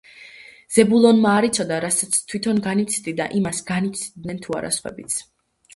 ზებულონმა არ იცოდა, რასაც თვითონ განიცდიდა, იმას განიცდიდნენ თუ არა სხვებიც